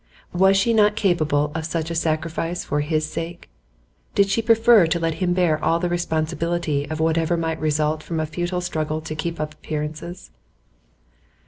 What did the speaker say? Was she not capable of such a sacrifice for his sake? Did she prefer to let him bear all the responsibility of whatever might result from a futile struggle to keep up appearances?